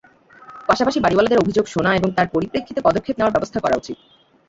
পাশাপাশি বাড়িওয়ালাদের অভিযোগ শোনা এবং তার পরিপ্রেক্ষিতে পদক্ষেপ নেওয়ার ব্যবস্থা করা উচিত।